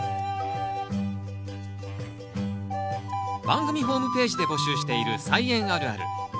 番組ホームページで募集している「菜園あるある」。